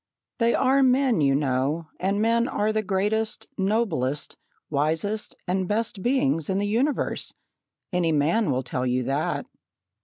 "They are men, you know, and men are the greatest, noblest, wisest, and best beings in the universe. Any man will tell you that."